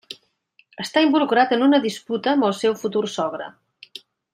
Està involucrat en una disputa amb el seu futur sogre.